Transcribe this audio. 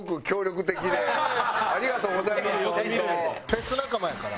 フェス仲間やから。